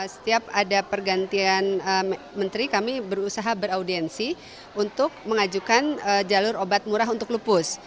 setiap ada pergantian menteri kami berusaha beraudiensi untuk mengajukan jalur obat murah untuk lupus